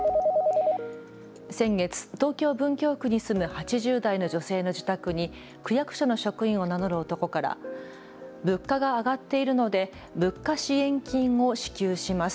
先月、東京・文京区に住む８０代の女性の自宅に区役所の職員を名乗る男から物価が上がっているので物価支援金を支給します。